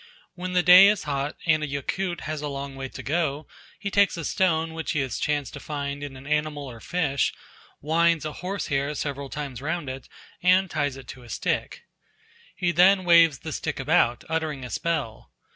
When the day is hot and a Yakut has a long way to go, he takes a stone which he has chanced to find in an animal or fish, winds a horse hair several times round it, and ties it to a stick. He then waves the stick about, uttering a spell.